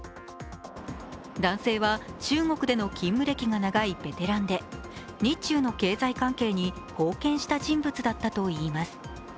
男性は、中国での勤務歴が長いベテランで日中の経済関係に貢献した人物だったといいます。